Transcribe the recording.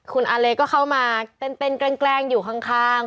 คุณอาเลก็เข้ามาเต้นแกล้งอยู่ข้าง